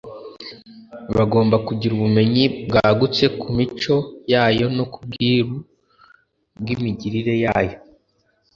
Bagomba kugira ubumenyi bwagutse ku mico yayo no ku bwiru bw'imigirire yayo.